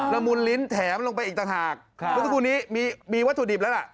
ละมุนลิ้นแถมลงไปอีกต่างหากเมื่อสักครู่นี้มีวัตถุดิบแล้วล่ะ